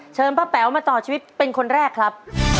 เชิญพ่อแป๋วมาต่อชีวิตเป็นคนแรกครับ